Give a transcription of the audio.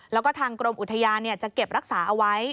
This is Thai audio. แล้วก็ทางกรมอุทยานจะเก็บรักษาเอาไว้